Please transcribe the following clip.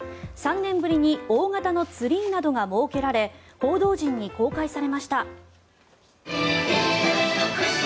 ３年ぶりに大形のツリーなどが設けられ報道陣に公開されました。